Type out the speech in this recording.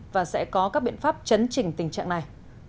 và sẽ có các biện pháp chấn chỉnh tình trạng này